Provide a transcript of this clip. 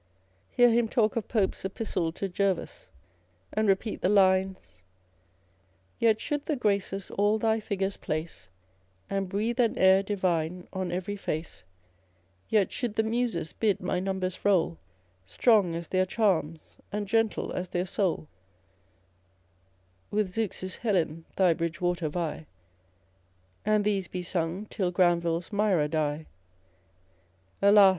Hear him talk of Pope's Epistle to Jervas, and repeat the lines â€" i Yet should the Graces all thy figures place, And breathe an air divine on every face ; Yet should the Muses bid my numbers roll Strong as their charms, and gentle as their soul, With Zeuxis' Helen thy Bridgewater vie, And these be sung till Granville's Myra die : Alas